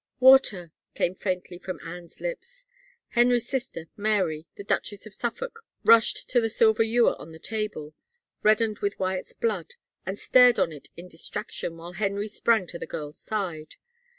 "Water," came faintly from Anne's lips. Henry's sister, Mary, the Duchess of Suifolk, rushed to the silver ewer on the table, reddened with Wyatt's blood and stared on it in distraction, while Henry sprang to the girl's side.